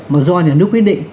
mà do nhà nước quyết định